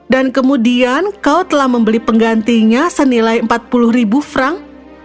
dan kemudian kau telah membeli penggantinya senilai empat puluh ribu frank